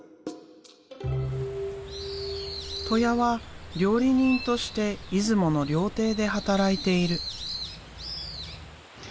戸舎は料理人として出雲の料亭で働いている。